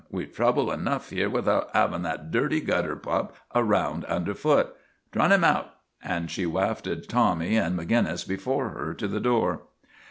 We 've trouble enough here without havin' that dirty gutter pup around un der foot. Trim 'im out," and she wafted Tommy and Maginnis before her to the door.